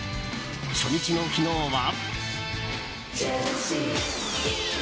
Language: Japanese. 初日の昨日は。